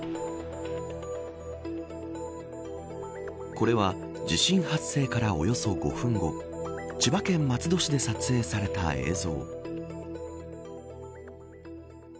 これは地震発生からおよそ５分後千葉県松戸市で撮影された映像。